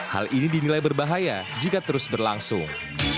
hal ini dinilai berbahaya jika terus berlangsung